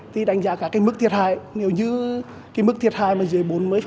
thì đánh giá mức thiệt hại nếu như mức thiệt hại dưới bốn mươi